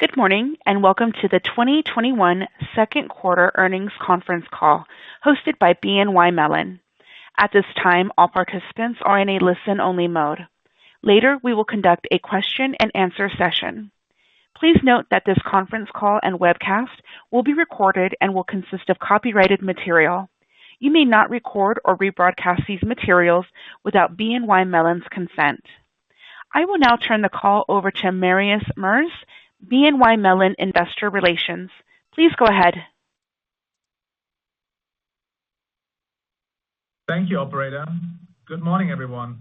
Good morning, welcome to the 2021 second quarter earnings conference call hosted by BNY Mellon. At this time, all participants are in a listen-only mode. Later, we will conduct a question and answer session. Please note that this conference call and webcast will be recorded and will consist of copyrighted material. You may not record or rebroadcast these materials without BNY Mellon's consent. I will now turn the call over to Marius Merz, BNY Mellon Investor Relations. Please go ahead. Thank you, operator. Good morning, everyone.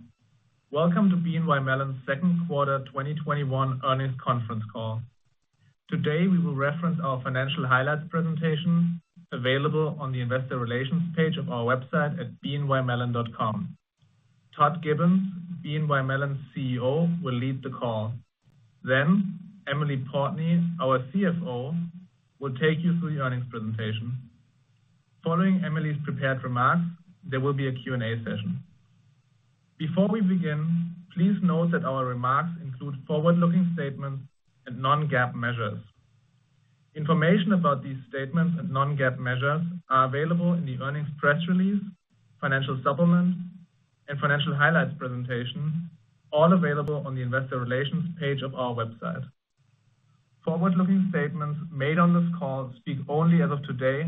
Welcome to BNY Mellon's second quarter 2021 earnings conference call. Today, we will reference our financial highlights presentation available on the investor relations page of our website at bnymellon.com. Todd Gibbons, BNY Mellon's CEO, will lead the call. Emily Portney, our CFO, will take you through the earnings presentation. Following Emily's prepared remarks, there will be a Q&A session. Before we begin, please note that our remarks include forward-looking statements and non-GAAP measures. Information about these statements and non-GAAP measures are available in the earnings press release, financial supplement, and financial highlights presentation, all available on the investor relations page of our website. Forward-looking statements made on this call speak only as of today,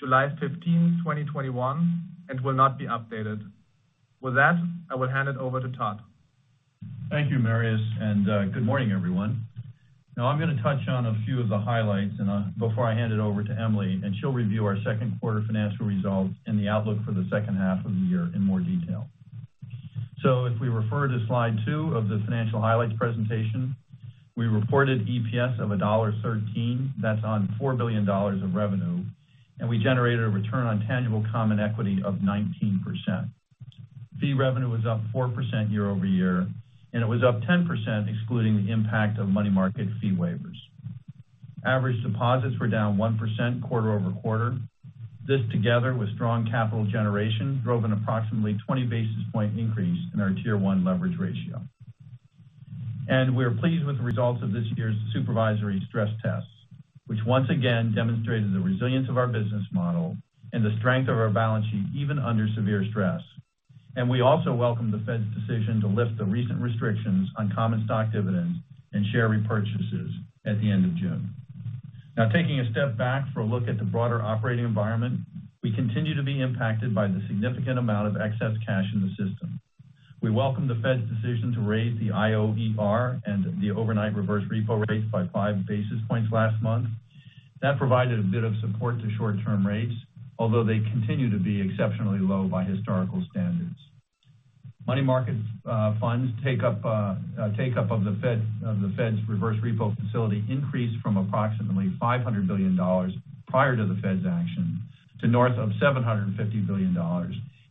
July 15, 2021, and will not be updated. With that, I will hand it over to Todd. Thank you, Marius, and good morning, everyone. I'm going to touch on a few of the highlights before I hand it over to Emily, and she'll review our second quarter financial results and the outlook for the second half of the year in more detail. If we refer to slide two of the financial highlights presentation, we reported EPS of $1.13. That's on $4 billion of revenue, and we generated a return on tangible common equity of 19%. Fee revenue was up 4% year-over-year, and it was up 10% excluding the impact of money market fee waivers. Average deposits were down 1% quarter-over-quarter. This, together with strong capital generation, drove an approximately 20-basis point increase in our Tier 1 leverage ratio. We are pleased with the results of this year's supervisory stress tests, which once again demonstrated the resilience of our business model and the strength of our balance sheet, even under severe stress. We also welcome the Fed's decision to lift the recent restrictions on common stock dividends and share repurchases at the end of June. Taking a step back for a look at the broader operating environment, we continue to be impacted by the significant amount of excess cash in the system. We welcome the Fed's decision to raise the IOER and the overnight reverse repo rate by 5 basis points last month. That provided a bit of support to short-term rates, although they continue to be exceptionally low by historical standards. Money market funds take-up of the Fed's reverse repo facility increased from approximately $500 billion prior to the Fed's action to north of $750 billion,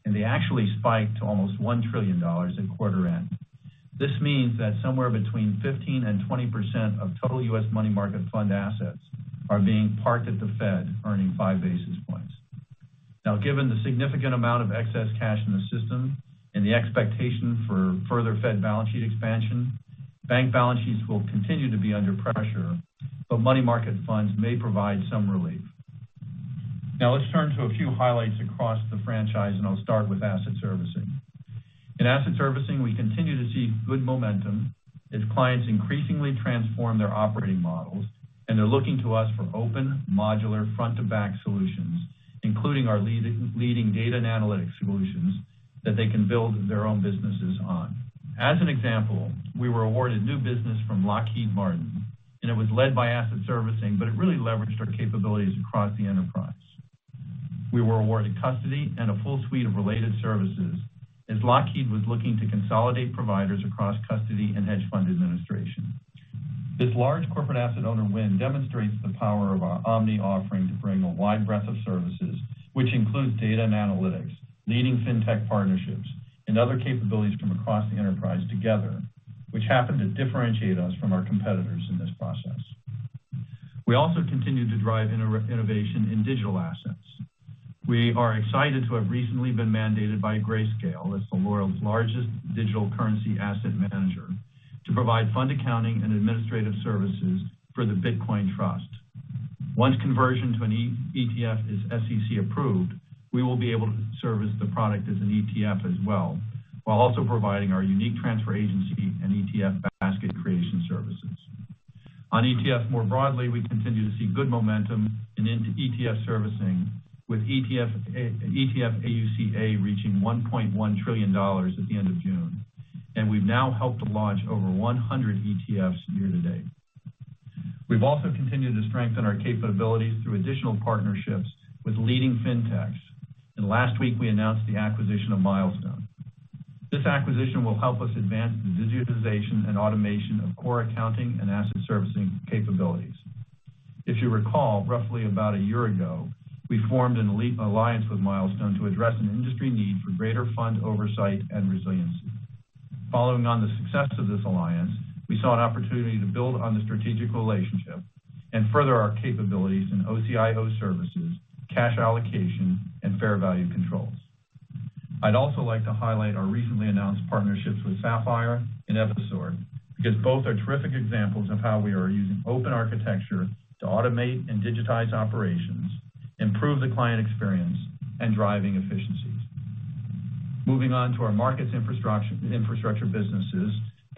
and they actually spiked to almost $1 trillion at quarter end. This means that somewhere between 15%-20% of total U.S. money market fund assets are being parked at the Fed, earning five basis points. Now, given the significant amount of excess cash in the system and the expectation for further Fed balance sheet expansion, bank balance sheets will continue to be under pressure, but money market funds may provide some relief. Now let's turn to a few highlights across the franchise, and I'll start with asset servicing. In asset servicing, we continue to see good momentum as clients increasingly transform their operating models, and they're looking to us for open, modular front-to-back solutions, including our leading data and analytics solutions that they can build their own businesses on. As an example, we were awarded new business from Lockheed Martin, and it was led by asset servicing, but it really leveraged our capabilities across the enterprise. We were awarded custody and a full suite of related services as Lockheed was looking to consolidate providers across custody and hedge fund administration. This large corporate asset owner win demonstrates the power of our OMNI offering to bring a wide breadth of services, which includes data and analytics, leading fintech partnerships, and other capabilities from across the enterprise together, which happened to differentiate us from our competitors in this process. We also continue to drive innovation in digital assets. We are excited to have recently been mandated by Grayscale as the world's largest digital currency asset manager to provide fund accounting and administrative services for the Bitcoin Trust. Once conversion to an ETF is SEC approved, we will be able to service the product as an ETF as well while also providing our unique transfer agency and ETF basket creation services. On ETFs more broadly, we continue to see good momentum and into ETF servicing with ETF AUC/A reaching $1.1 trillion at the end of June. We've now helped to launch over 100 ETFs year to date. We've also continued to strengthen our capabilities through additional partnerships with leading fintechs. Last week we announced the acquisition of Milestone. This acquisition will help us advance the digitization and automation of core accounting and asset servicing capabilities. If you recall, roughly about a year ago, we formed an elite alliance with Milestone to address an industry need for greater fund oversight and resiliency. Following on the success of this alliance, we saw an opportunity to build on the strategic relationship and further our capabilities in OCIO services, cash allocation, and fair value controls. I'd also like to highlight our recently announced partnerships with Saphyre and Evisort, because both are terrific examples of how we are using open architecture to automate and digitize operations, improve the client experience, and driving efficiencies. Moving on to our markets infrastructure businesses.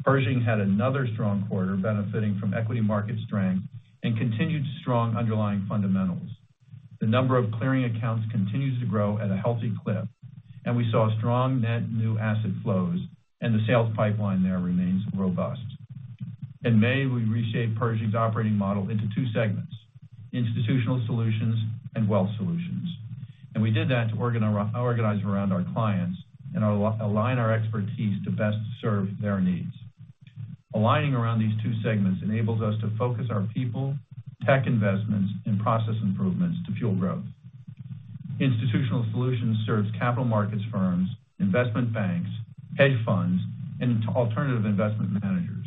Pershing had another strong quarter benefiting from equity market strength and continued strong underlying fundamentals. The number of clearing accounts continues to grow at a healthy clip, and we saw strong net new asset flows and the sales pipeline there remains robust. In May, we reshaped Pershing's operating model into two segments, Institutional Solutions and Wealth Solutions. We did that to organize around our clients and align our expertise to best serve their needs. Aligning around these two segments enables us to focus our people, tech investments, and process improvements to fuel growth. Institutional Solutions serves capital markets firms, investment banks, hedge funds, and alternative investment managers.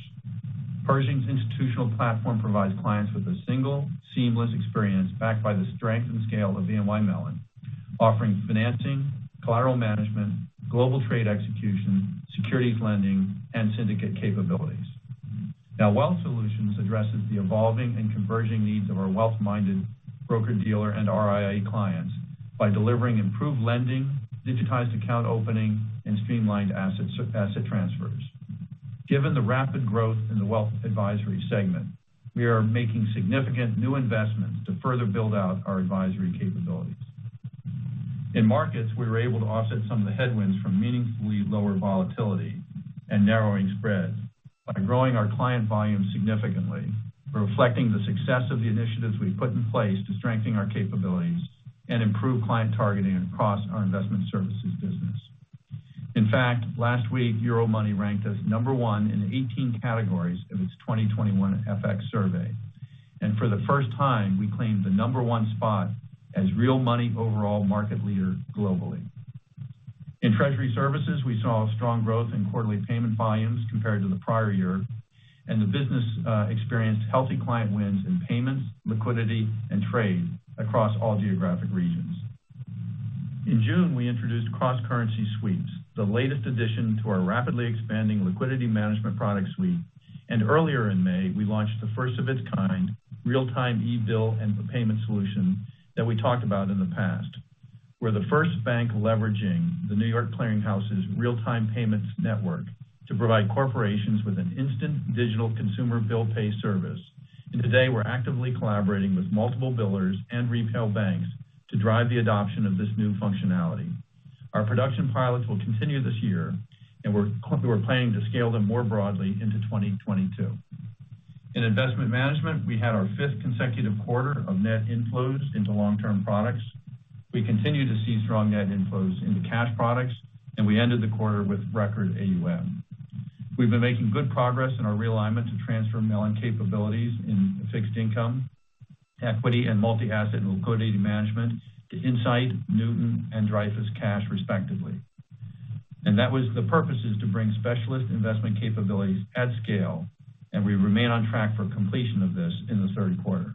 Pershing's institutional platform provides clients with a single, seamless experience backed by the strength and scale of BNY Mellon, offering financing, collateral management, global trade execution, securities lending, and syndicate capabilities. Wealth Solutions addresses the evolving and converging needs of our wealth-minded broker-dealer and RIA clients by delivering improved lending, digitized account opening, and streamlined asset transfers. Given the rapid growth in the wealth advisory segment, we are making significant new investments to further build out our advisory capabilities. In markets, we were able to offset some of the headwinds from meaningfully lower volatility and narrowing spreads by growing our client volume significantly, reflecting the success of the initiatives we've put in place to strengthen our capabilities and improve client targeting across our investment services business. In fact, last week, Euromoney ranked us number one in 18 categories of its 2021 FX survey. For the first time, we claimed the number one spot as Real Money Overall Market Leader globally. In treasury services, we saw strong growth in quarterly payment volumes compared to the prior year, and the business experienced healthy client wins in payments, liquidity, trade across all geographic regions. In June, we introduced cross-currency sweeps, the latest addition to our rapidly expanding liquidity management product suite. Earlier in May, we launched the first of its kind real-time eBill and payment solution that we talked about in the past. We're the first bank leveraging The Clearing House's real-time payments network to provide corporations with an instant digital consumer bill pay service. Today, we're actively collaborating with multiple billers and retail banks to drive the adoption of this new functionality. Our production pilots will continue this year, and we're planning to scale them more broadly into 2022. In investment management, we had our fifth consecutive quarter of net inflows into long-term products. We continue to see strong net inflows into cash products, and we ended the quarter with record AUM. We've been making good progress in our realignment to transfer Mellon capabilities in fixed income, equity, and multi-asset and liquidity management to Insight, Newton, and Dreyfus Cash, respectively. That was the purpose is to bring specialist investment capabilities at scale, and we remain on track for completion of this in the third quarter.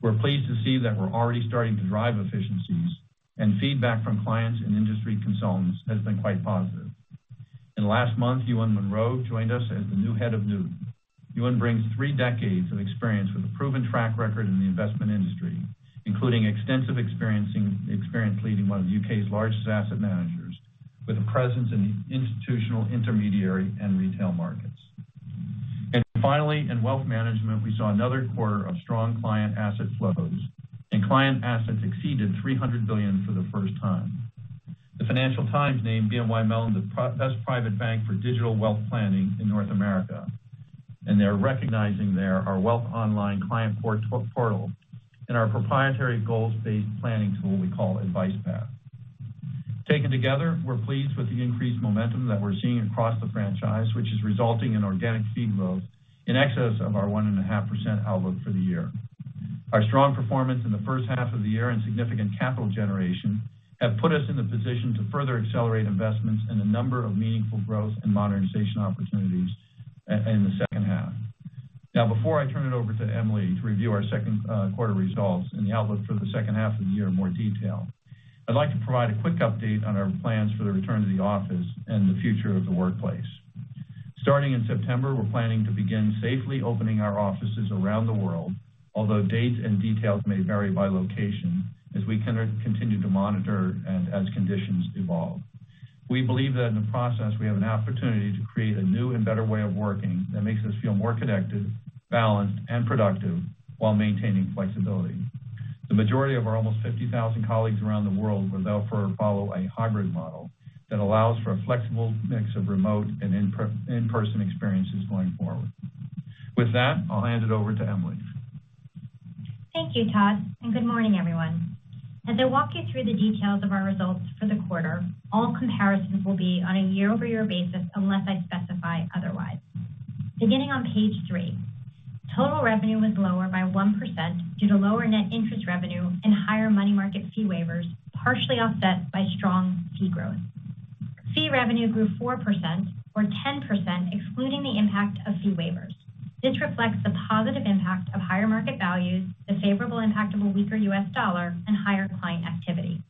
We're pleased to see that we're already starting to drive efficiencies, and feedback from clients and industry consultants has been quite positive. Last month, Euan Munro joined us as the new head of Newton. Euan brings three decades of experience with a proven track record in the investment industry, including extensive experience leading one of the U.K.'s largest asset managers with a presence in institutional intermediary and retail markets. Finally, in wealth management, we saw another quarter of strong client asset flows, and client assets exceeded $300 billion for the first time. The Financial Times named BNY Mellon the best private bank for digital wealth planning in North America, and they're recognizing there our Wealth Online client portal and our proprietary goals-based planning tool we call AdvicePath. Taken together, we're pleased with the increased momentum that we're seeing across the franchise, which is resulting in organic fee growth in excess of our 1.5% outlook for the year. Our strong performance in the first half of the year and significant capital generation have put us in the position to further accelerate investments in a number of meaningful growth and modernization opportunities in the second half. Now, before I turn it over to Emily to review our second quarter results and the outlook for the second half of the year in more detail, I'd like to provide a quick update on our plans for the return to the office and the future of the workplace. Starting in September, we're planning to begin safely opening our offices around the world, although dates and details may vary by location as we continue to monitor and as conditions evolve. We believe that in the process, we have an opportunity to create a new and better way of working that makes us feel more connected, balanced, and productive while maintaining flexibility. The majority of our almost 50,000 colleagues around the world will therefore follow a hybrid model that allows for a flexible mix of remote and in-person experiences going forward. With that, I'll hand it over to Emily. Thank you, Todd, and good morning, everyone. As I walk you through the details of our results for the quarter, all comparisons will be on a year-over-year basis unless I specify otherwise. Beginning on page three, total revenue was lower by 1% due to lower net interest revenue and higher money market fee waivers, partially offset by strong fee growth. Fee revenue grew 4%, or 10%, excluding the impact of fee waivers. This reflects the positive impact of higher market values, the favorable impact of a weaker U.S. dollar, and higher client activity.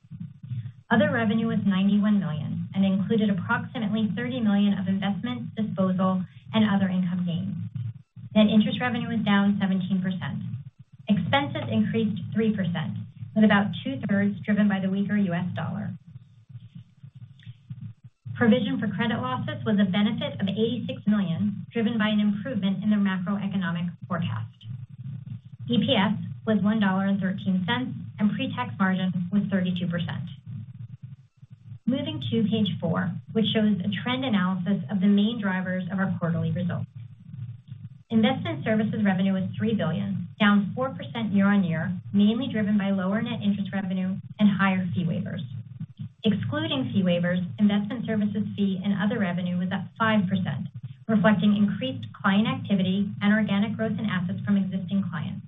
Other revenue was $91 million and included approximately $30 million of investment disposal and other income gains. Net interest revenue was down 17%. Expenses increased 3%, with about two-thirds driven by the weaker U.S. dollar. Provision for credit losses was a benefit of $86 million, driven by an improvement in the macroeconomic forecast. EPS was $1.13, and pre-tax margin was 32%. Moving to page four, which shows a trend analysis of the main drivers of our quarterly results. Investment services revenue was $3 billion, down 4% year-on-year, mainly driven by lower net interest revenue and higher fee waivers. Excluding fee waivers, investment services fee and other revenue was up 5%, reflecting increased client activity and organic growth in assets from existing clients,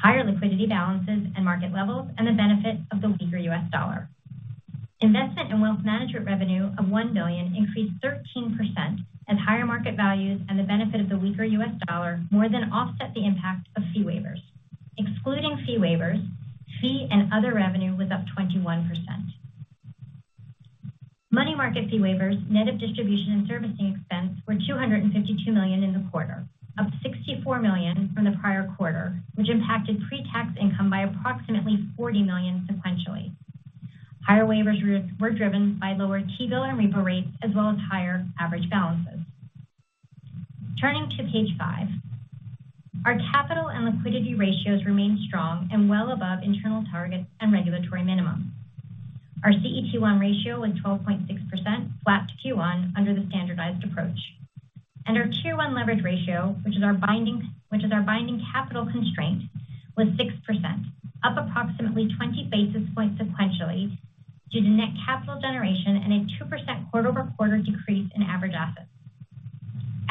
higher liquidity balances and market levels, and the benefit of the weaker US dollar. Investment and wealth management revenue of $1 billion increased 13%, as higher market values and the benefit of the weaker US dollar more than offset the impact of fee waivers. Excluding fee waivers, fee and other revenue was up 21%. Money market fee waivers net of distribution and servicing expense were $252 million in the quarter, up $64 million from the prior quarter, which impacted pre-tax income by approximately $40 million sequentially. Higher waivers were driven by lower T-bill and repo rates, as well as higher average balances. Turning to page five. Our capital and liquidity ratios remain strong and well above internal targets and regulatory minimums. Our CET1 ratio was 12.6%, flat to Q1 under the standardized approach. Our Tier 1 leverage ratio, which is our binding capital constraint, was 6%, up approximately 20 basis points sequentially due to net capital generation and a 2% quarter-over-quarter decrease in average assets.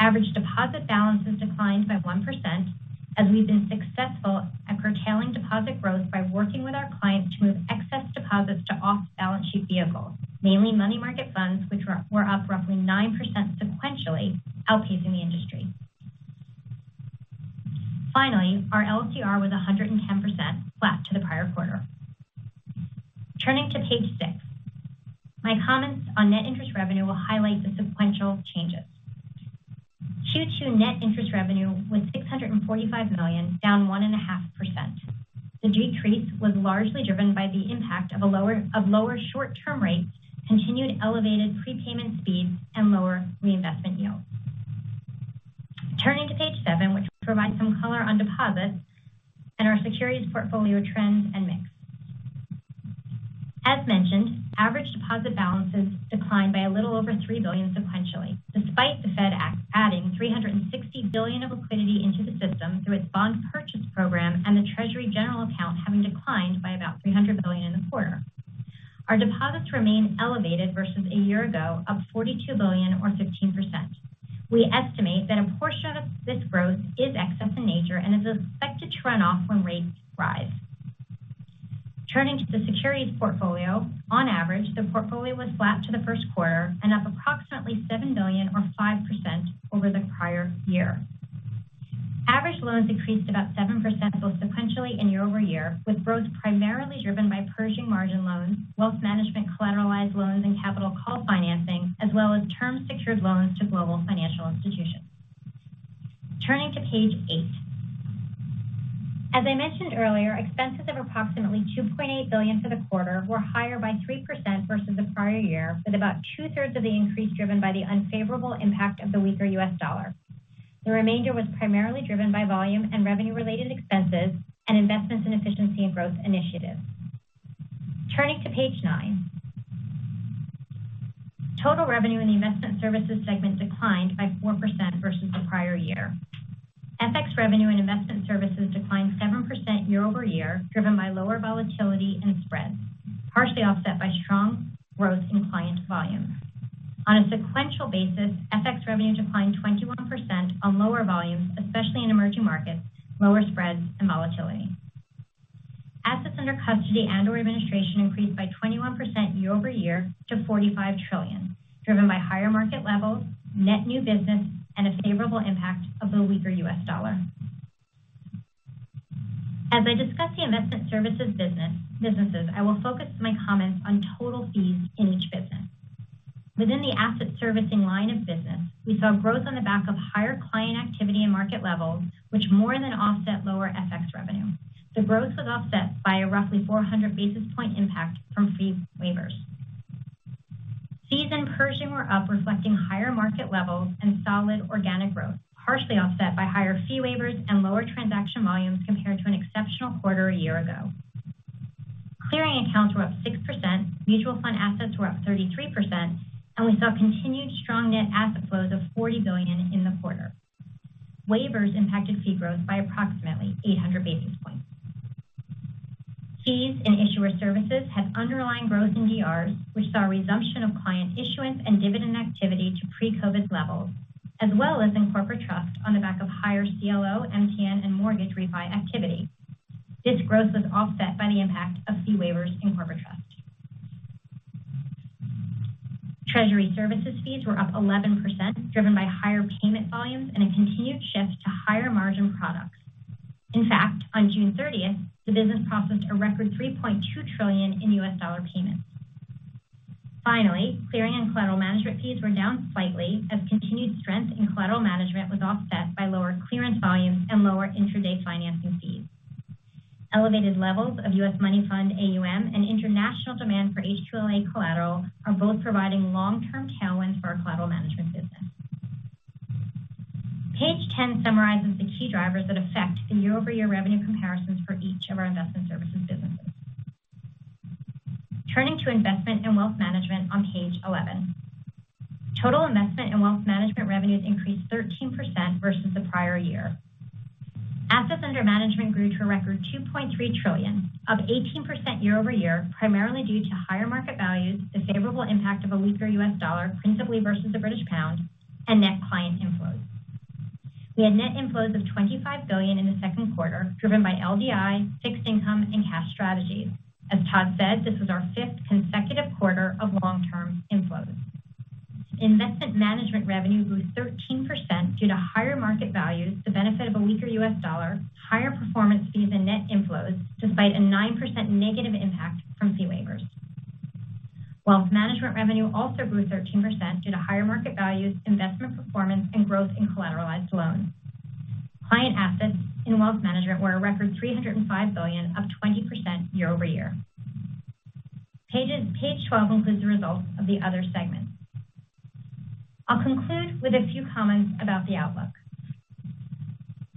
Average deposit balances declined by 1% as we've been successful at curtailing deposit growth by working with our clients to move excess deposits to off-balance sheet vehicles, mainly money market funds, which were up roughly 9% sequentially, outpacing the industry. Our LCR was 110%, flat to the prior quarter. Turning to page six. My comments on net interest revenue will highlight the sequential changes. Q2 net interest revenue was $645 million, down 1.5%. The decrease was largely driven by the impact of lower short-term rates, continued elevated prepayment speeds, and lower reinvestment yields. Turning to page seven, which provides some color on deposits and our securities portfolio trends and mix. As mentioned, average deposit balances declined by a little over $3 billion sequentially, despite the Fed adding $360 billion of liquidity into the system through its bond purchase program and the Treasury general account having declined by about $300 billion in the quarter. Our deposits remain elevated versus a year ago, up $42 billion or 15%. We estimate that a portion of this growth is excess in nature and is expected to run off when rates rise. Turning to the securities portfolio. On average, the portfolio was flat to the first quarter and up approximately $7 billion or 5% over the prior year. Average loans increased about 7% both sequentially and year-over-year, with growth primarily driven by Pershing margin loans, Wealth Management collateralized loans, and capital call financing, as well as term secured loans to global financial institutions. Turning to page eight. As I mentioned earlier, expenses of approximately $2.8 billion for the quarter were higher by 3% versus the prior year, with about 2/3 of the increase driven by the unfavorable impact of the weaker U.S. dollar. The remainder was primarily driven by volume and revenue-related expenses and investments in efficiency and growth initiatives. Turning to page nine. Total revenue in the investment services segment declined by 4% versus the prior year. FX revenue and investment services declined 7% year-over-year, driven by lower volatility and spreads, partially offset by strong growth in client volume. On a sequential basis, FX revenue declined 21% on lower volumes, especially in emerging markets, lower spreads and volatility. Assets under custody and or administration increased by 21% year-over-year to $45 trillion, driven by higher market levels, net new business, and a favorable impact of the weaker U.S. dollar. As I discuss the investment services businesses, I will focus my comments on total fees in each business. Within the asset servicing line of business, we saw growth on the back of higher client activity and market levels, which more than offset lower FX revenue. The growth was offset by a roughly 400 basis point impact from fee waivers. Fees in Pershing were up, reflecting higher market levels and solid organic growth, partially offset by higher fee waivers and lower transaction volumes compared to an exceptional quarter a year ago. Clearing accounts were up 6%, mutual fund assets were up 33%, and we saw continued strong net asset flows of $40 billion in the quarter. Waivers impacted fee growth by approximately 800 basis points. Fees in Issuer Services had underlying growth in DRs, which saw a resumption of client issuance and dividend activity to pre-COVID levels, as well as in corporate trust on the back of higher CLO, MTN, and mortgage refi activity. This growth was offset by the impact of fee waivers in corporate trust. Treasury services fees were up 11%, driven by higher payment volumes and a continued shift to higher margin products. In fact, on June 30th, the business processed a record $3.2 trillion in U.S. dollar payments. Finally, clearing and collateral management fees were down slightly as continued strength in collateral management was offset by lower clearance volumes and lower intraday financing fees. Elevated levels of U.S. Money Fund AUM and international demand for HQLA collateral are both providing long-term tailwinds for our collateral management business. Page 10 summarizes the key drivers that affect the year-over-year revenue comparisons for each of our Investment Services businesses. Turning to Investment and Wealth Management on page 11. Total Investment and Wealth Management revenues increased 13% versus the prior year. Assets Under Management grew to a record $2.3 trillion, up 18% year-over-year, primarily due to higher market values, the favorable impact of a weaker U.S. dollar, principally versus the British pound, and net client inflows. We had net inflows of $25 billion in the second quarter, driven by LDI, fixed income, and cash strategies. As Todd said, this was our fifth consecutive quarter of long-term inflows. Investment Management revenue grew 13% due to higher market values, the benefit of a weaker U.S. dollar, higher performance fees, and net inflows, despite a 9% negative impact from fee waivers. Wealth management revenue also grew 13% due to higher market values, investment performance, and growth in collateralized loans. Client assets in wealth management were a record $305 billion, up 20% year-over-year. Page 12 includes the results of the other segments. I'll conclude with a few comments about the outlook.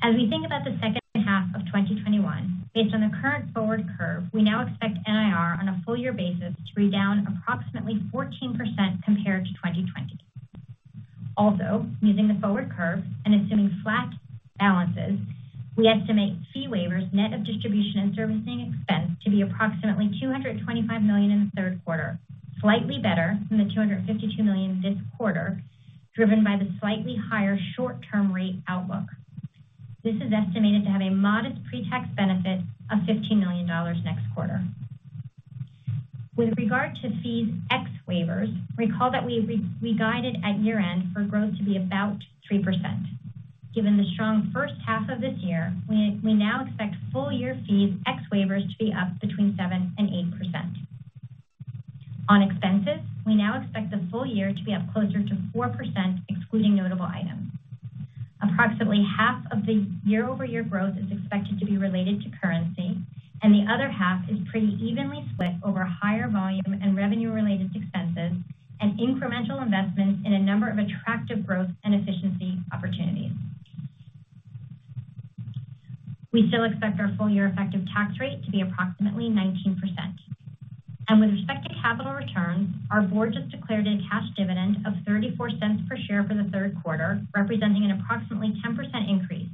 As we think about the second half of 2021, based on the current forward curve, we now expect NIR on a full year basis to be down approximately 14% compared to 2020. Also, using the forward curve and assuming flat balances, we estimate fee waivers net of distribution and servicing expense to be approximately $225 million in the third quarter, slightly better than the $252 million this quarter, driven by the slightly higher short-term rate outlook. This is estimated to have a modest pre-tax benefit of $15 million next quarter. With regard to fees ex waivers, recall that we guided at year-end for growth to be about 3%. Given the strong first half of this year, we now expect full-year fees ex waivers to be up between 7% and 8%. On expenses, we now expect the full year to be up closer to 4%, excluding notable items. Approximately half of the year-over-year growth is expected to be related to currency, and the other half is pretty evenly split over higher volume and revenue-related expenses and incremental investments in a number of attractive growth and efficiency opportunities. We still expect our full-year effective tax rate to be approximately 19%. With respect to capital returns, our board just declared a cash dividend of $0.34 per share for the third quarter, representing an approximately 10% increase,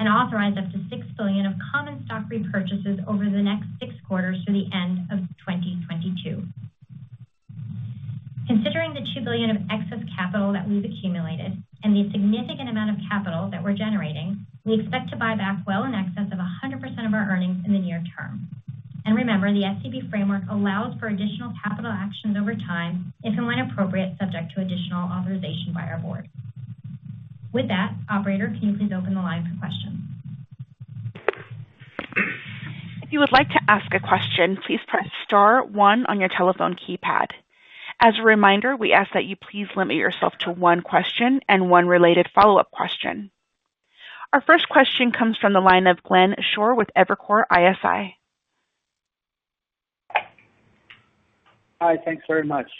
and authorized up to $6 billion of common stock repurchases over the next six quarters through the end of 2022. Considering the $2 billion of excess capital that we've accumulated and the significant amount of capital that we're generating, we expect to buy back well in excess of 100% of our earnings in the near term. Remember, the SCB framework allows for additional capital actions over time, if and when appropriate, subject to additional authorization by our board. With that, operator, can you please open the line for questions? Our first question comes from the line of Glenn Schorr with Evercore ISI. Hi. Thanks very much.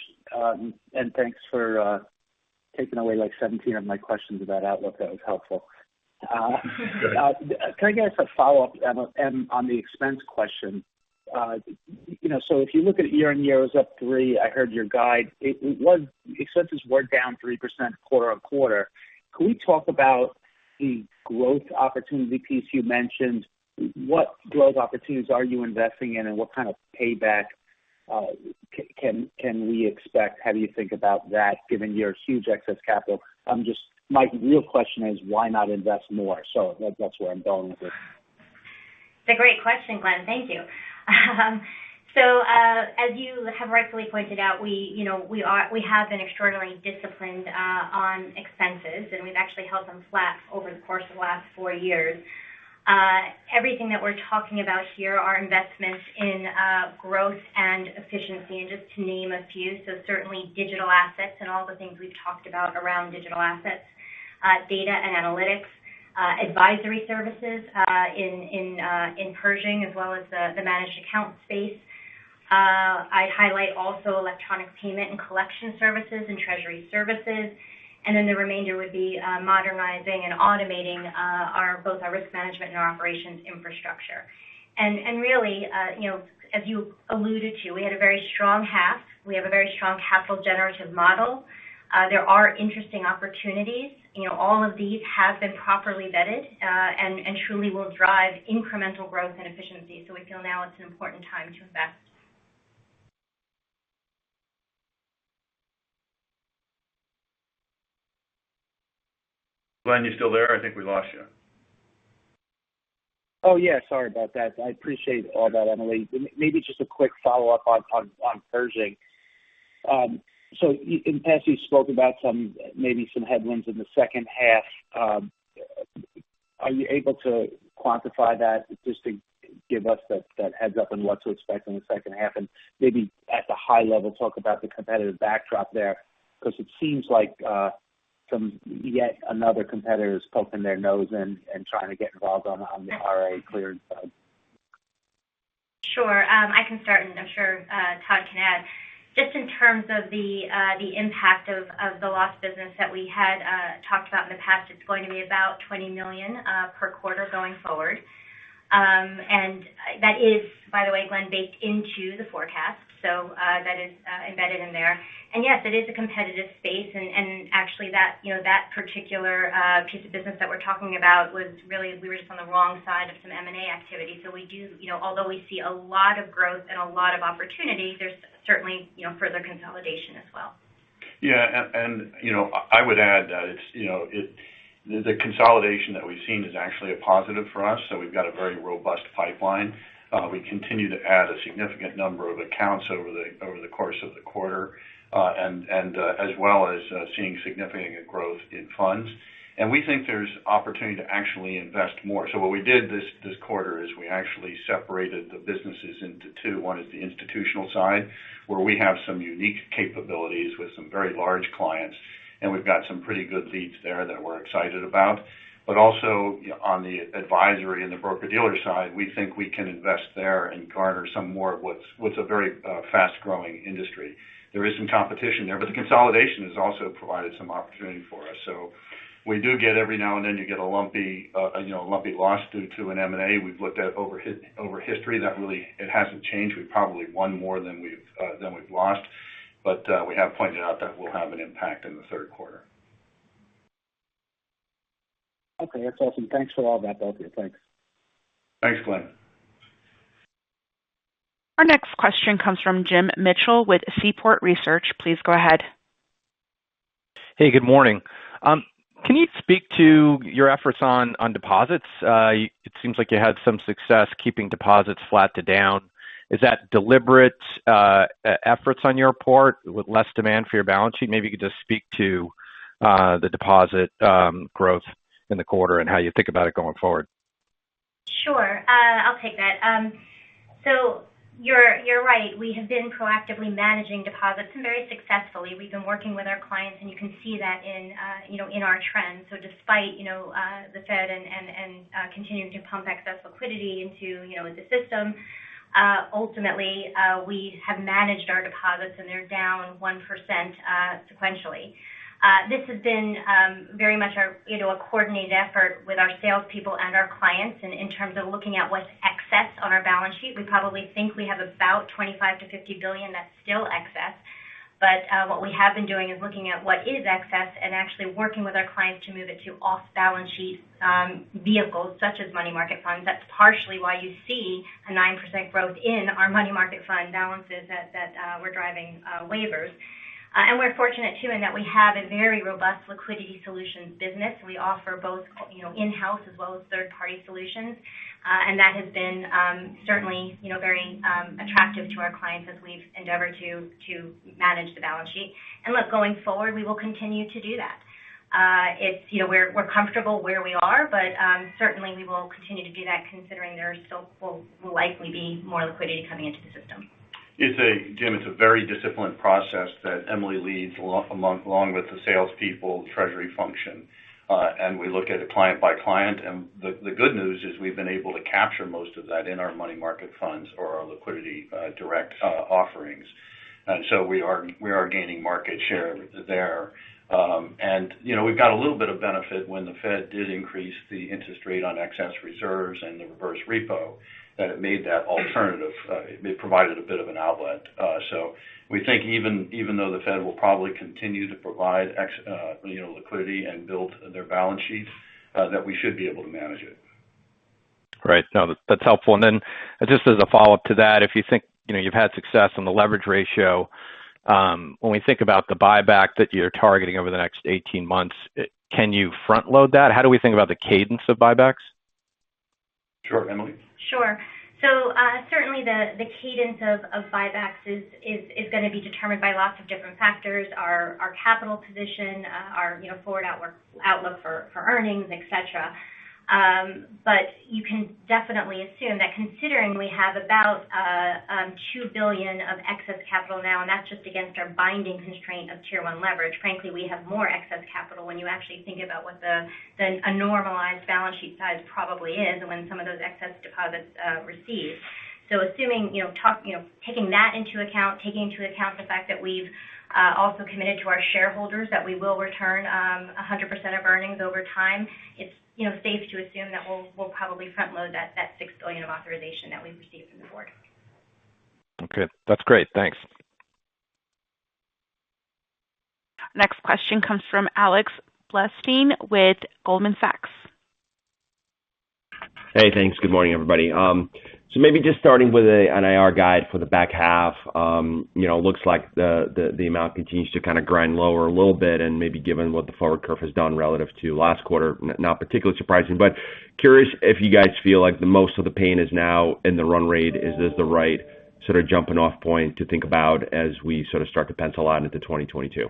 Thanks for taking away like 17 of my questions about outlook. That was helpful. Can I get a follow-up, Em, on the expense question? If you look at year-over-year, it was up 3%. I heard your guide. Expenses were down 3% quarter-over-quarter. Can we talk about the growth opportunity piece you mentioned? What growth opportunities are you investing in, and what kind of payback can we expect? How do you think about that given your huge excess capital? My real question is why not invest more? That's where I'm going with this. It's a great question, Glenn. Thank you. As you have rightfully pointed out, we have been extraordinarily disciplined on expenses, and we've actually held them flat over the course of the last four years. Everything that we're talking about here are investments in growth and efficiency, and just to name a few, so certainly digital assets and all the things we've talked about around digital assets, data and analytics, advisory services in Pershing as well as the managed account space. I'd highlight also electronic payment and collection services and treasury services. The remainder would be modernizing and automating both our risk management and our operations infrastructure. Really, as you alluded to, we had a very strong half. We have a very strong capital generative model. There are interesting opportunities. All of these have been properly vetted and truly will drive incremental growth and efficiency. We feel now it's an important time to invest. Glenn, you still there? I think we lost you. Sorry about that. I appreciate all that, Emily. Just a quick follow-up on Pershing. In the past, you spoke about maybe some headwinds in the second half. Are you able to quantify that just to give us that heads-up on what to expect in the second half? At a high level, talk about the competitive backdrop there, because it seems like yet another competitor's poking their nose in and trying to get involved on the RIA clearance side. Sure. I can start, and I'm sure Todd can add. Just in terms of the impact of the lost business that we had talked about in the past, it's going to be about $20 million per quarter going forward. That is, by the way, Glenn, baked into the forecast. That is embedded in there. Yes, it is a competitive space, and actually that particular piece of business that we're talking about was really, we were just on the wrong side of some M&A activity. Although we see a lot of growth and a lot of opportunity, there's certainly further consolidation as well. Yeah. I would add that the consolidation that we've seen is actually a positive for us, so we've got a very robust pipeline. We continue to add a significant number of accounts over the course of the quarter, as well as seeing significant growth in funds. We think there's opportunity to actually invest more. What we did this quarter is we actually separated the businesses into two. One is the institutional side, where we have some unique capabilities with some very large clients, and we've got some pretty good leads there that we're excited about. Also on the advisory and the broker-dealer side, we think we can invest there and garner some more of what's a very fast-growing industry. There is some competition there, but the consolidation has also provided some opportunity for us. Every now and then you get a lumpy loss due to an M&A. We've looked at over history, that really hasn't changed. We've probably won more than we've lost. We have pointed out that we'll have an impact in the third quarter. Okay. That's awesome. Thanks for all that, both of you. Thanks. Thanks, Glenn. Our next question comes from Jim Mitchell with Seaport Research. Please go ahead. Hey, good morning. Can you speak to your efforts on deposits? It seems like you had some success keeping deposits flat to down. Is that deliberate efforts on your part with less demand for your balance sheet? Maybe you could just speak to the deposit growth in the quarter and how you think about it going forward. Sure. I'll take that. You're right. We have been proactively managing deposits and very successfully. We've been working with our clients, and you can see that in our trends. Despite the Fed and continuing to pump excess liquidity into the system, ultimately, we have managed our deposits and they're down 1% sequentially. This has been very much a coordinated effort with our salespeople and our clients. In terms of looking at what is excess on our balance sheet, we probably think we have about $25 billion-$50 billion that's still excess. What we have been doing is looking at what is excess and actually working with our clients to move it to off-balance sheet vehicles such as money market funds. That's partially why you see a 9% growth in our money market fund balances that we're driving waivers. We're fortunate, too, in that we have a very robust liquidity solutions business. We offer both in-house as well as third-party solutions. That has been certainly very attractive to our clients as we've endeavored to manage the balance sheet. Look, going forward, we will continue to do that. We're comfortable where we are, but certainly, we will continue to do that considering there still will likely be more liquidity coming into the system. Jim Mitchell, it's a very disciplined process that Emily Portney leads, along with the salespeople treasury function. We look at it client by client. The good news is we've been able to capture most of that in our money market funds or our LiquidityDirect offerings. We are gaining market share there. We've got a little bit of benefit when the Fed did increase the interest rate on excess reserves and the reverse repo, that it made that alternative. It provided a bit of an outlet. We think even though the Fed will probably continue to provide liquidity and build their balance sheets, that we should be able to manage it. Right. No, that's helpful. Just as a follow-up to that, if you think you've had success on the leverage ratio, when we think about the buyback that you're targeting over the next 18 months, can you front-load that? How do we think about the cadence of buybacks? Sure. Emily? Sure. Certainly the cadence of buybacks is going to be determined by lots of different factors, our capital position, our forward outlook for earnings, et cetera. You can definitely assume that considering we have about $2 billion of excess capital now, and that's just against our binding constraint of Tier 1 leverage. Frankly, we have more excess capital when you actually think about what a normalized balance sheet size probably is and when some of those excess deposits received. Assuming, taking that into account, taking into account the fact that we've also committed to our shareholders that we will return 100% of earnings over time, it's safe to assume that we'll probably front-load that $6 billion of authorization that we've received from the board. Okay. That's great. Thanks. Next question comes from Alex Blostein with Goldman Sachs. Hey, thanks. Good morning, everybody. Maybe just starting with an NIR guide for the back half. Looks like the amount continues to kind of grind lower a little bit, maybe given what the forward curve has done relative to last quarter, not particularly surprising. Curious if you guys feel like the most of the pain is now in the run rate. Is this the right sort of jumping off point to think about as we sort of start to pencil out into 2022?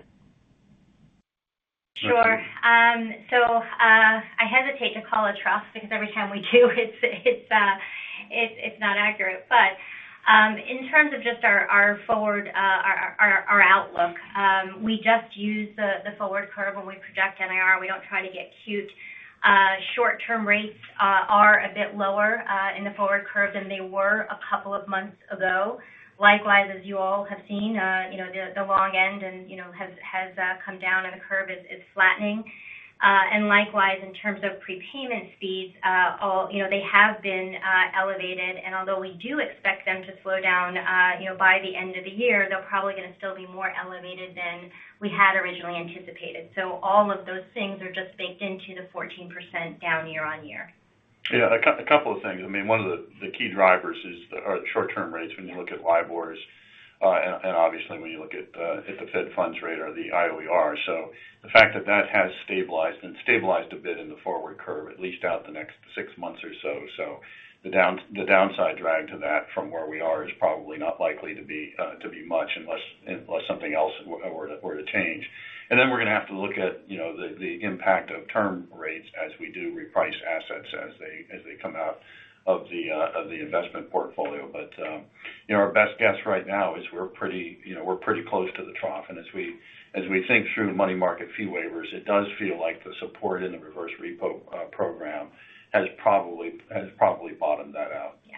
Sure. I hesitate to call a trough because every time we do it's not accurate. In terms of just our outlook, we just use the forward curve when we project NIR. We don't try to get cute. Short-term rates are a bit lower in the forward curve than they were a couple of months ago. Likewise, as you all have seen, the long end has come down and the curve is flattening. Likewise, in terms of prepayment speeds, they have been elevated, and although we do expect them to slow down by the end of the year, they're probably going to still be more elevated than we had originally anticipated. All of those things are just baked into the 14% down year-on-year. A couple of things. One of the key drivers is the short-term rates when you look at LIBORs. Obviously when you look at the Fed funds rate or the IOER. The fact that that has stabilized and stabilized a bit in the forward curve, at least out the next six months or so. The downside drag to that from where we are is probably not likely to be much unless something else were to change. Then we're going to have to look at the impact of term rates as we do reprice assets as they come out of the investment portfolio. Our best guess right now is we're pretty close to the trough. As we think through money market fee waivers, it does feel like the support in the reverse repo program has probably bottomed that out. Yeah.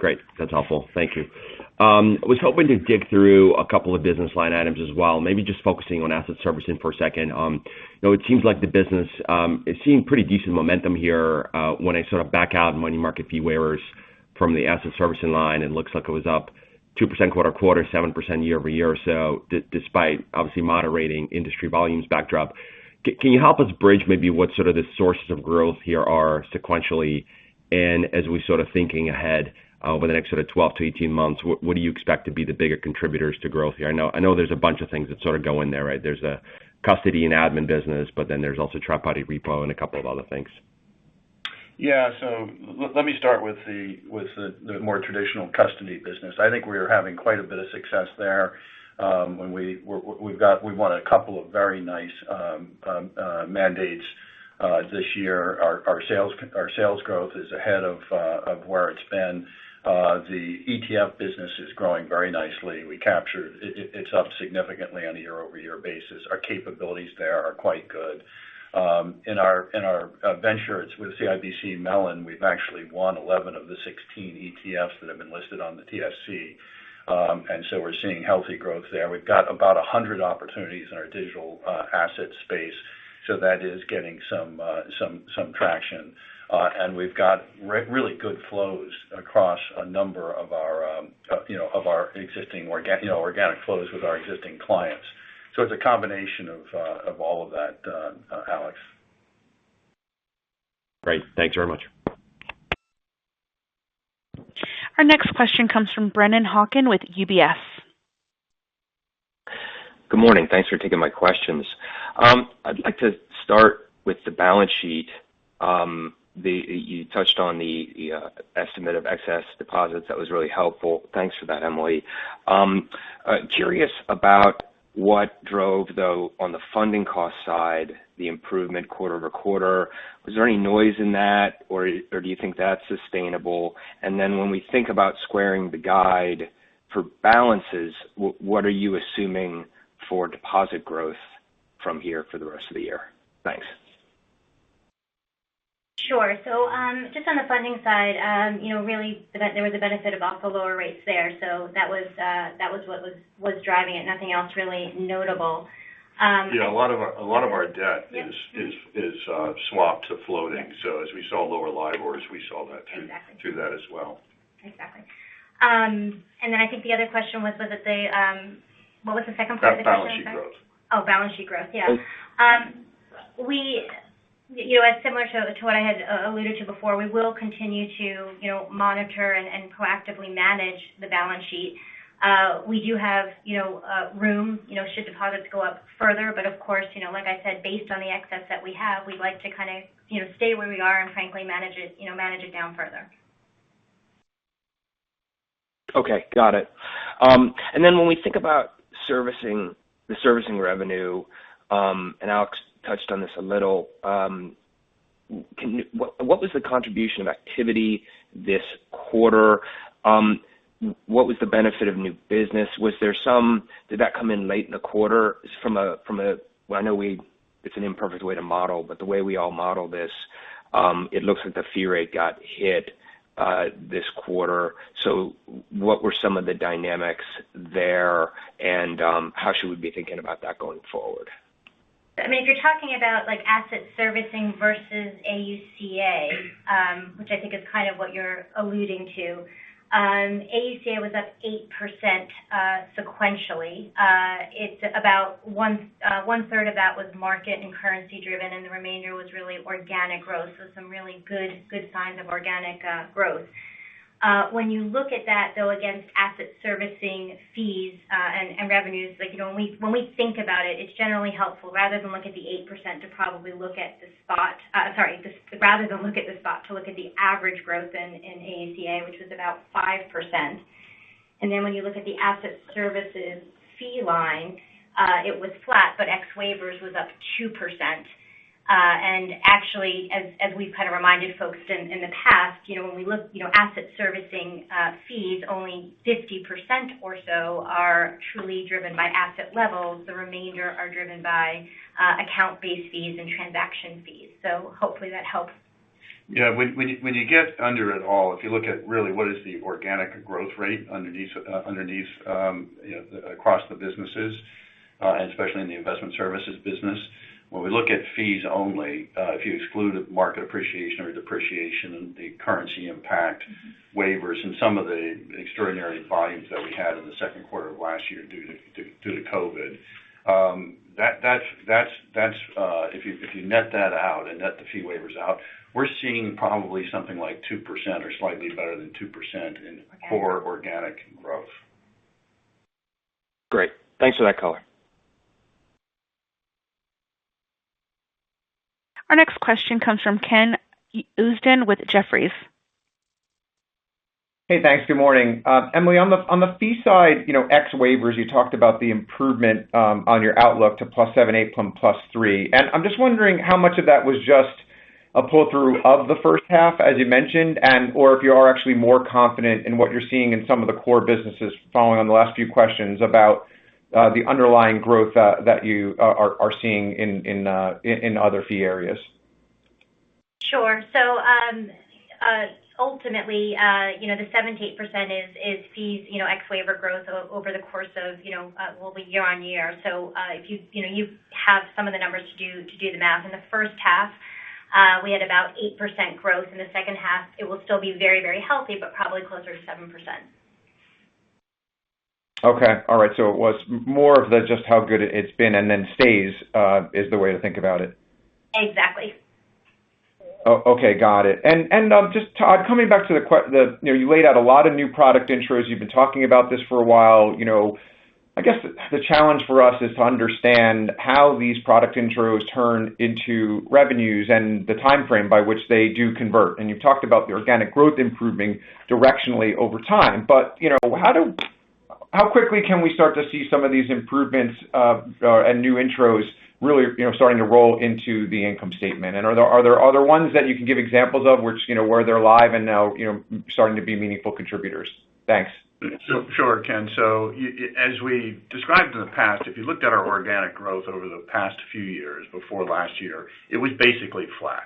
Great. That's helpful. Thank you. I was hoping to dig through a couple of business line items as well, maybe just focusing on asset servicing for a second. It seems like the business is seeing pretty decent momentum here. When I sort of back out money market fee waivers from the asset servicing line, it looks like it was up 2% quarter-over-quarter, 7% year-over-year or so, despite obviously moderating industry volumes backdrop. Can you help us bridge maybe what sort of the sources of growth here are sequentially? And as we're sort of thinking ahead over the next sort of 12-18 months, what do you expect to be the bigger contributors to growth here? I know there's a bunch of things that sort of go in there, right? There's a custody and admin business, but then there's also tri-party repo and a couple of other things. Yeah. Let me start with the more traditional custody business. I think we are having quite a bit of success there. We won a couple of very nice mandates this year. Our sales growth is ahead of where it's been. The ETF business is growing very nicely. It's up significantly on a year-over-year basis. Our capabilities there are quite good. In our ventures with CIBC Mellon, we've actually won 11 of the 16 ETFs that have been listed on the TSX. We're seeing healthy growth there. We've got about 100 opportunities in our digital asset space, so that is getting some traction. We've got really good flows across a number of our organic flows with our existing clients. It's a combination of all of that, Alex. Great. Thanks very much. Our next question comes from Brennan Hawken with UBS. Good morning. Thanks for taking my questions. I'd like to start with the balance sheet. You touched on the estimate of excess deposits. That was really helpful. Thanks for that, Emily. Curious about what drove, though, on the funding cost side, the improvement quarter-over-quarter. Was there any noise in that, or do you think that's sustainable? When we think about squaring the guide for balances, what are you assuming for deposit growth from here for the rest of the year? Thanks. Sure. Just on the funding side, really there was a benefit of also lower rates there. That was what was driving it. Nothing else really notable. Yeah, a lot of our debt is swapped to floating. As we saw lower LIBORs, we saw that too. Exactly. Through that as well. Exactly. I think the other question was, what was the second part of the question? About balance sheet growth About balance sheet growth. Similar to what I had alluded to before, we will continue to monitor and proactively manage the balance sheet. We do have room should deposits go up further, but of course, like I said, based on the excess that we have, we'd like to kind of stay where we are and frankly manage it down further. Okay. Got it. When we think about the servicing revenue, and Alex touched on this a little, what was the contribution of activity this quarter? What was the benefit of new business? Did that come in late in the quarter? I know it's an imperfect way to model, but the way we all model this, it looks like the fee rate got hit this quarter. What were some of the dynamics there, and how should we be thinking about that going forward? If you're talking about asset servicing versus AUC/A, which I think is kind of what you're alluding to. AUC/A was up 8% sequentially. About one third of that was market and currency driven. The remainder was really organic growth. Some really good signs of organic growth. When you look at that, though, against asset servicing fees and revenues, when we think about it's generally helpful rather than look at the 8% to look at the average growth in AUC/A, which was about 5%. When you look at the asset services fee line, it was flat, but ex waivers was up 2%. Actually, as we've kind of reminded folks in the past, when we look asset servicing fees, only 50% or so are truly driven by asset levels. The remainder are driven by account-based fees and transaction fees. Hopefully that helps. Yeah. When you get under it all, if you look at really what is the organic growth rate underneath across the businesses, and especially in the investment services business, when we look at fees only, if you exclude market appreciation or depreciation and the currency impact waivers and some of the extraordinary volumes that we had in the second quarter of last year due to COVID. If you net that out and net the fee waivers out, we're seeing probably something like 2% or slightly better than 2% in core organic growth. Great. Thanks for that color. Our next question comes from Ken Usdin with Jefferies. Hey, thanks. Good morning. Emily, on the fee side, ex waivers, you talked about the improvement on your outlook to +7%, 8% from +3%, and I'm just wondering how much of that was just a pull-through of the first half, as you mentioned, or if you are actually more confident in what you're seeing in some of the core businesses following on the last few questions about the underlying growth that you are seeing in other fee areas. Sure. Ultimately, the 7%-8% is fees ex waiver growth over the course of year-on-year. You have some of the numbers to do the math. In the first half, we had about 8% growth. In the second half, it will still be very healthy, but probably closer to 7%. Okay. All right. It was more of the just how good it's been and then stays, is the way to think about it. Exactly. Okay, got it. Just Todd, coming back to the-- you laid out a lot of new product intros. You've been talking about this for a while. I guess the challenge for us is to understand how these product intros turn into revenues and the timeframe by which they do convert. You've talked about the organic growth improving directionally over time. How quickly can we start to see some of these improvements and new intros really starting to roll into the income statement? Are there ones that you can give examples of where they're live and now starting to be meaningful contributors? Thanks. Sure, Ken. As we described in the past, if you looked at our organic growth over the past few years, before last year, it was basically flat.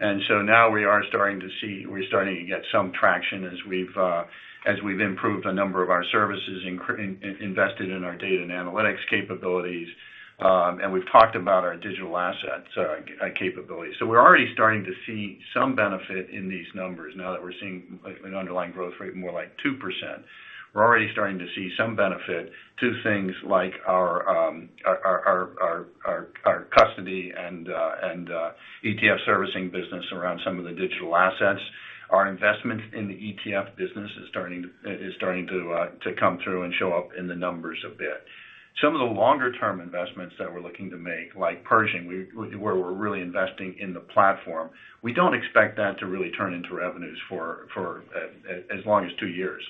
Now we are starting to get some traction as we've improved a number of our services, invested in our data and analytics capabilities. We've talked about our digital assets capabilities. We're already starting to see some benefit in these numbers now that we're seeing an underlying growth rate more like 2%. We're already starting to see some benefit to things like our custody and ETF servicing business around some of the digital assets. Our investment in the ETF business is starting to come through and show up in the numbers a bit. Some of the longer-term investments that we're looking to make, like Pershing, where we're really investing in the platform. We don't expect that to really turn into revenues for as long as two years.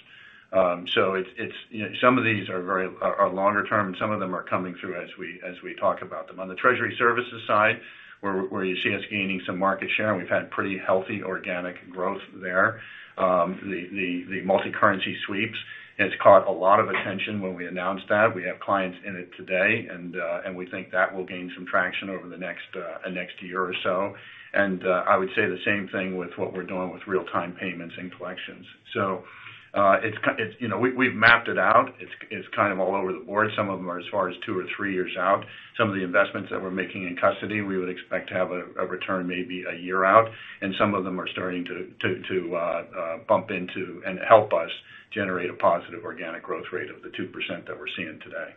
Some of these are longer term, and some of them are coming through as we talk about them. On the treasury services side, where you see us gaining some market share, and we've had pretty healthy organic growth there. The multicurrency sweeps has caught a lot of attention when we announced that. We have clients in it today, and we think that will gain some traction over the next year or so. I would say the same thing with what we're doing with real-time payments and collections. We've mapped it out. It's kind of all over the board. Some of them are as far as two or three years out. Some of the investments that we're making in custody, we would expect to have a return maybe a year out, and some of them are starting to bump into and help us generate a positive organic growth rate of the 2% that we're seeing today.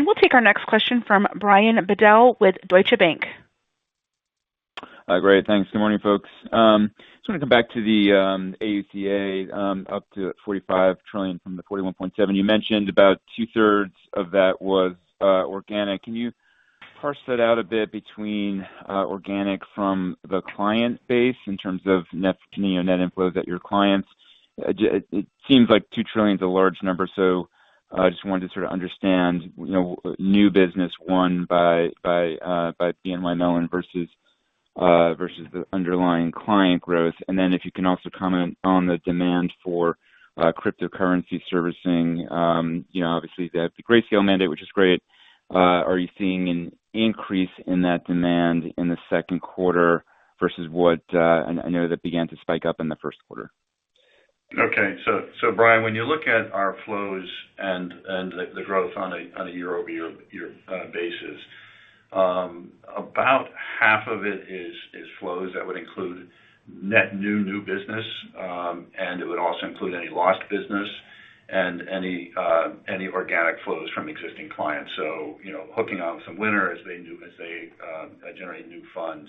We'll take our next question from Brian Bedell with Deutsche Bank. Great. Thanks. Good morning, folks. Just want to come back to the AUC/A up to $45 trillion from the $41.7. You mentioned about 2/3 of that was organic. Can you parse that out a bit between organic from the client base in terms of net new net inflows at your clients? It seems like $2 trillion is a large number. I just wanted to sort of understand new business won by BNY Mellon versus the underlying client growth. If you can also comment on the demand for cryptocurrency servicing. Obviously, they have the Grayscale mandate, which is great. Are you seeing an increase in that demand in the second quarter versus I know that began to spike up in the first quarter. Okay. Brian, when you look at our flows and the growth on a year-over-year basis, about half of it is flows that would include net new business, and it would also include any lost business and any organic flows from existing clients. Hooking on some winners as they generate new funds,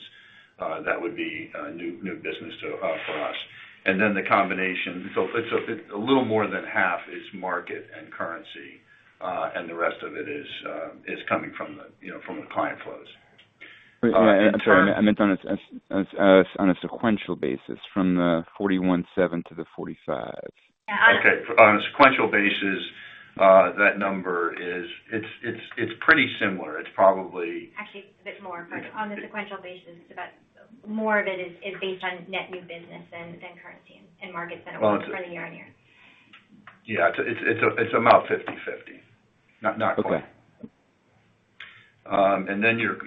that would be new business for us. A little more than half is market and currency, and the rest of it is coming from the client flows. I'm sorry. I meant on a sequential basis from the 41.7 to the 45. Okay. On a sequential basis, that number is pretty similar. Actually, it's a bit more. On the sequential basis, more of it is based on net new business than currency and market sentiment for the year-on-year. Yeah. It's about 50/50. Not quite. Okay.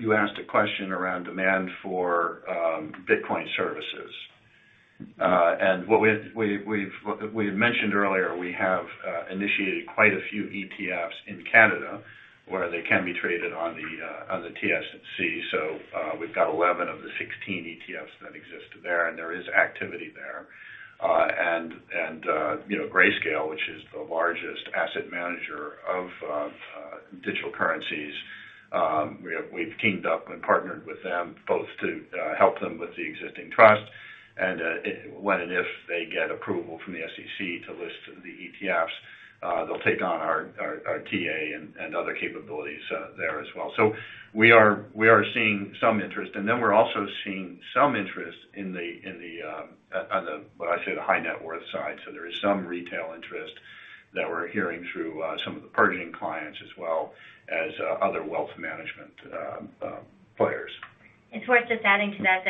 You asked a question around demand for Bitcoin services. What we had mentioned earlier, we have initiated quite a few ETFs in Canada where they can be traded on the TSX. We've got 11 of the 16 ETFs that exist there, and there is activity there. Grayscale Investments, which is the largest asset manager of digital currencies, we've teamed up and partnered with them both to help them with the existing trust, and when and if they get approval from the SEC to list the ETFs, they'll take on our TA and other capabilities there as well. We are seeing some interest. We're also seeing some interest on what I say the high net worth side. There is some retail interest that we're hearing through some of the Pershing clients as well as other wealth management players. It's worth just adding to that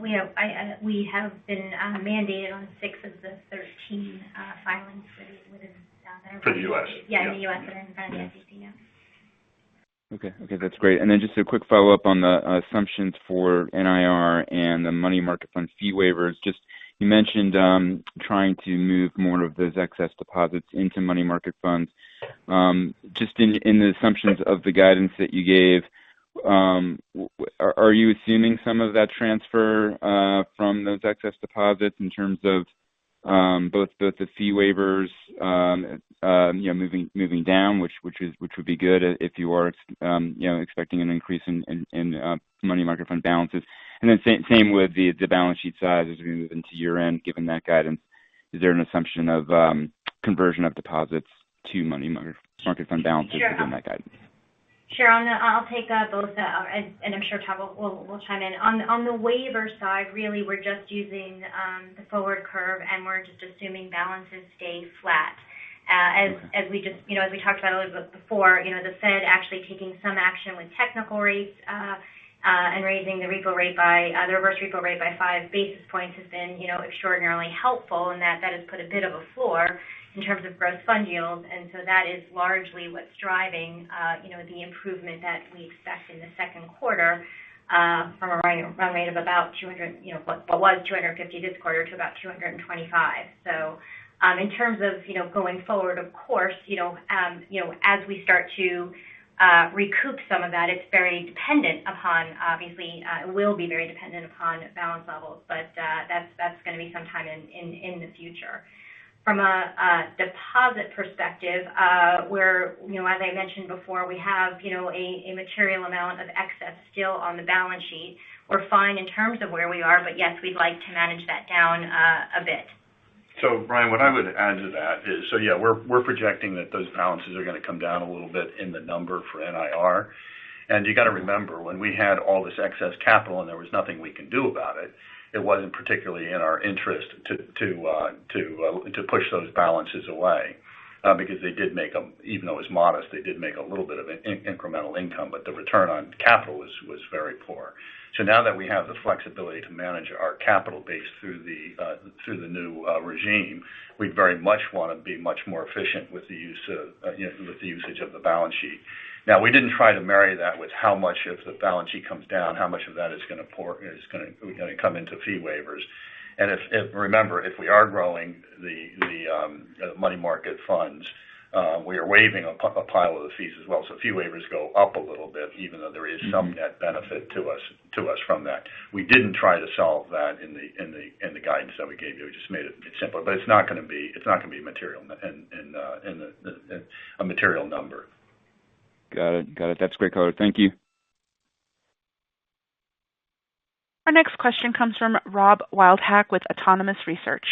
we have been mandated on six of the 13 filings that is down there. For the U.S. Yeah, in the U.S. and in front of the SEC. Okay. That's great. Just a quick follow-up on the assumptions for NIR and the money market fund fee waivers. You mentioned trying to move more of those excess deposits into money market funds. In the assumptions of the guidance that you gave, are you assuming some of that transfer from those excess deposits in terms of both the fee waivers moving down, which would be good if you are expecting an increase in money market fund balances? Same with the balance sheet size as we move into year-end. Given that guidance, is there an assumption of conversion of deposits to money market fund balances within that guidance? Sure. I'll take both, I'm sure Todd will chime in. On the waiver side, really, we're just using the forward curve, and we're just assuming balances stay flat. As we talked about a little bit before, the Fed actually taking some action with technical rates, and raising the reverse repo rate by 5 basis points has been extraordinarily helpful in that that has put a bit of a floor in terms of gross fund yields. That is largely what's driving the improvement that we expect in the second quarter from a run rate of what was $250 this quarter to about $225. In terms of going forward, of course, as we start to recoup some of that, it will be very dependent upon balance levels, but that's going to be sometime in the future. From a deposit perspective, as I mentioned before, we have a material amount of excess still on the balance sheet. We're fine in terms of where we are, but yes, we'd like to manage that down a bit. Brian, what I would add to that is, so yeah, we're projecting that those balances are going to come down a little bit in the number for NIR. You got to remember, when we had all this excess capital and there was nothing we could do about it wasn't particularly in our interest to push those balances away because they did make, even though it was modest, they did make a little bit of incremental income, but the return on capital was very poor. Now that we have the flexibility to manage our capital base through the new regime, we very much want to be much more efficient with the usage of the balance sheet. Now, we didn't try to marry that with how much of the balance sheet comes down, how much of that is going to come into fee waivers. Remember, if we are growing the money market funds, we are waiving a pile of the fees as well. Fee waivers go up a little bit, even though there is some net benefit to us from that. We didn't try to solve that in the guidance that we gave you. We just made it simpler. It's not going to be a material number. Got it. That's great color. Thank you. Our next question comes from Rob Wildhack with Autonomous Research.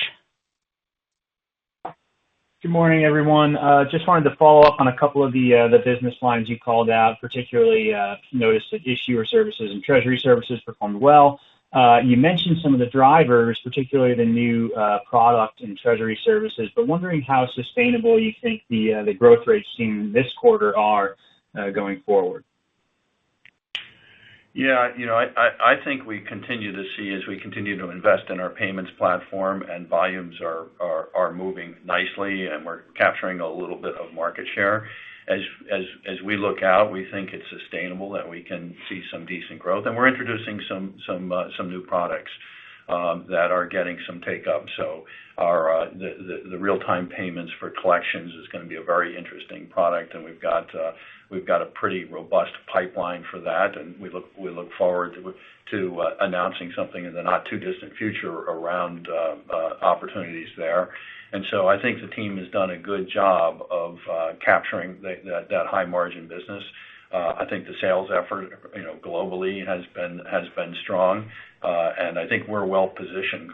Good morning, everyone. Just wanted to follow up on a couple of the business lines you called out, particularly noticed that Issuer Services and Treasury Services performed well. You mentioned some of the drivers, particularly the new product and Treasury Services. Wondering how sustainable you think the growth rates seen this quarter are going forward. I think we continue to see as we continue to invest in our payments platform and volumes are moving nicely, and we're capturing a little bit of market share. As we look out, we think it's sustainable that we can see some decent growth. We're introducing some new products that are getting some take up. The real-time payments for collections is going to be a very interesting product, and we've got a pretty robust pipeline for that. We look forward to announcing something in the not-too-distant future around opportunities there. I think the team has done a good job of capturing that high margin business. I think the sales effort globally has been strong. I think we're well-positioned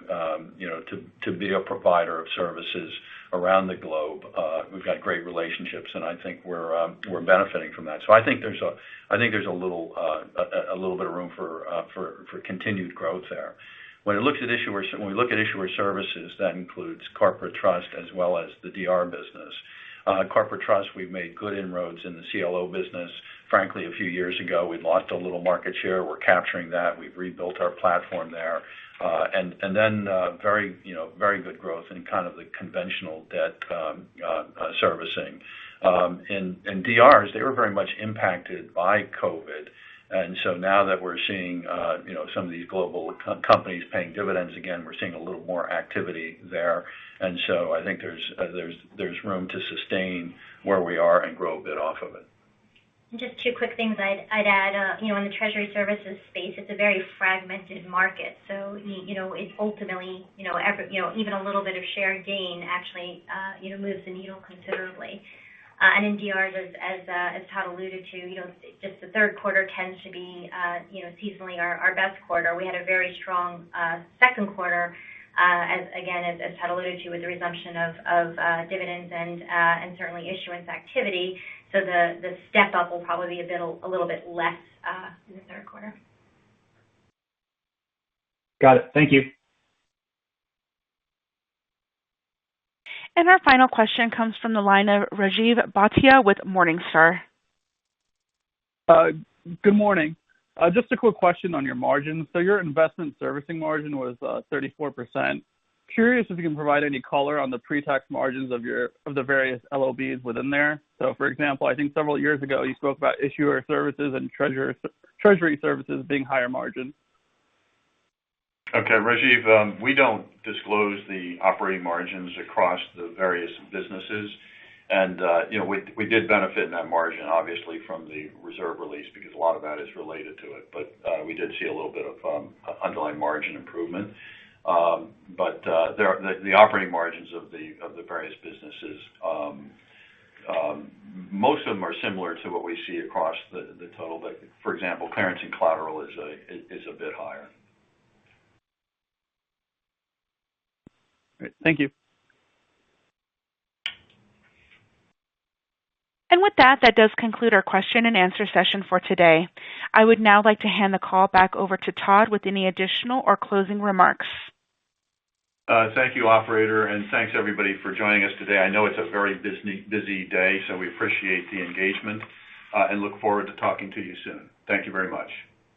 to be a provider of services around the globe. We've got great relationships, and I think we're benefiting from that. I think there's a little bit of room for continued growth there. When we look at issuer services, that includes corporate trust as well as the DR business. Corporate trust, we've made good inroads in the CLO business. Frankly, a few years ago, we'd lost a little market share. We're capturing that. We've rebuilt our platform there. Very good growth in kind of the conventional debt servicing. In DRs, they were very much impacted by COVID. Now that we're seeing some of these global companies paying dividends again, we're seeing a little more activity there. I think there's room to sustain where we are and grow a bit off of it. Just two quick things I'd add. In the treasury services space, it's a very fragmented market. It's ultimately, even a little bit of share gain actually moves the needle considerably. In DRs, as Todd alluded to, just the third quarter tends to be seasonally our best quarter. We had a very strong second quarter, again, as Todd alluded to, with the resumption of dividends and certainly issuance activity. The step up will probably be a little bit less in the third quarter. Got it. Thank you. Our final question comes from the line of Rajiv Bhatia with Morningstar. Good morning. Just a quick question on your margins. Your investment servicing margin was 34%. Curious if you can provide any color on the pre-tax margins of the various LOBs within there. For example, I think several years ago you spoke about issuer services and treasury services being higher margin. Rajiv, we don't disclose the operating margins across the various businesses. We did benefit in that margin, obviously, from the reserve release because a lot of that is related to it. We did see a little bit of underlying margin improvement. The operating margins of the various businesses, most of them are similar to what we see across the total. For example, clearing and collateral is a bit higher. Great. Thank you. With that does conclude our question and answer session for today. I would now like to hand the call back over to Todd with any additional or closing remarks. Thank you, Operator, and thanks everybody for joining us today. I know it's a very busy day, so we appreciate the engagement and look forward to talking to you soon. Thank you very much.